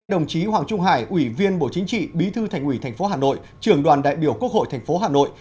đồng chí hoàng trung hải ủy viên bộ chính trị bí thư thành ủy tp hà nội trường đoàn đại biểu quốc hội tp hà nội